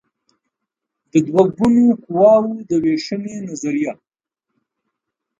د دوه ګونو قواوو د وېشنې نظریه